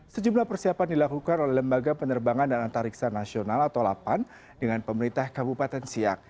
sejumlah persiapan dilakukan oleh lembaga penerbangan dan antariksaan rasional delapan dengan pemerintah kabupaten siak